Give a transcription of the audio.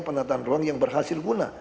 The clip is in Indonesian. penataan ruang yang berhasil guna